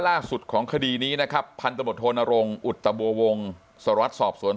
ล่าสุดของคดีนี้นะครับพันธบทธนโรงอุตบวงสวรรค์สอบสวน